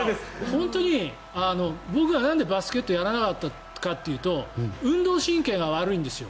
本当に僕がなんでバスケットをやらなかったかというと運動神経が悪いんですよ。